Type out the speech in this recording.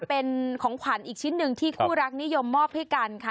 เป็นของขวัญอีกชิ้นหนึ่งที่คู่รักนิยมมอบให้กันค่ะ